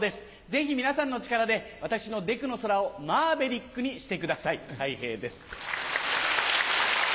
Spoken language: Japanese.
ぜひ皆さんの力で私の『でくの空』を『マーヴェリック』にしてくださいたい平です。